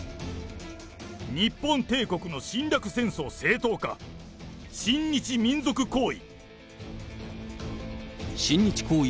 日本帝国の侵略戦争正当化、親日民族行為。